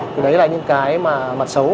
thì đấy là những cái mặt xấu